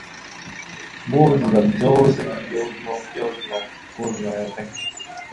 坊主が上手に屏風に坊主の絵を描いた